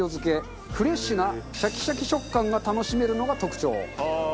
フレッシュなシャキシャキ食感が楽しめるのが特徴。